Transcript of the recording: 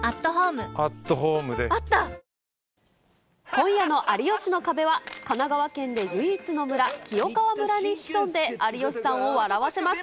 今夜の有吉の壁は、神奈川県で唯一の村、清川村に潜んで、有吉さんを笑わせます。